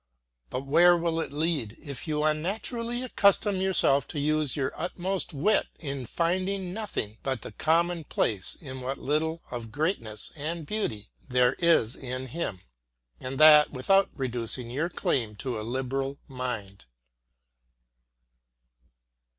But where will it lead, if you unnaturally accustom yourself to use your utmost wit in finding nothing but the commonplace in what little of greatness and beauty there is in him, and that without renouncing your claim to a liberal mind?